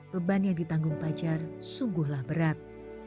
bebannya di tanggung pajar sungguhlah berat